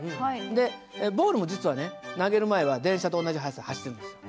でボールも実はね投げる前は電車と同じ速さで走ってるんですよ。